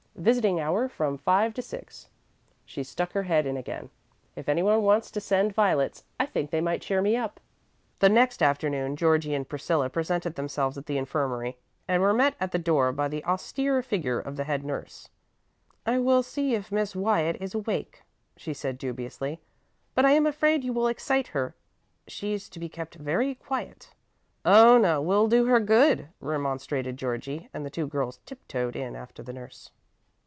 Visiting hour from five to six." She stuck her head in again. "If any one wants to send violets, I think they might cheer me up." THE next afternoon Georgie and Priscilla presented themselves at the infirmary, and were met at the door by the austere figure of the head nurse. "I will see if Miss Wyatt is awake," she said dubiously, "but I am afraid you will excite her; she's to be kept very quiet." "Oh, no; we'll do her good," remonstrated Georgie; and the two girls tiptoed in after the nurse.